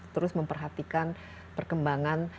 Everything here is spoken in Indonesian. terus memperhatikan perkembangan